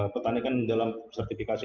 petani kan dalam sertifikasi